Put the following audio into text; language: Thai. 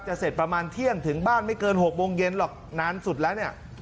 เสร็จประมาณเที่ยงถึงบ้านไม่เกิน๖โมงเย็นหรอกนานสุดแล้วเนี่ย